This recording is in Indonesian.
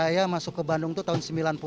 saya masuk ke bandung itu tahun sembilan puluh